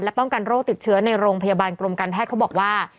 ป้องกันโรคติดเชื้อในโรงพยาบาลกรมการแพทย์เขาบอกว่า